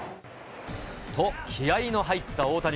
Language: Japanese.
と、気合いの入った大谷。